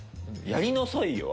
やりなさいよ